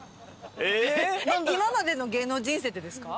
今までの芸能人生でですか？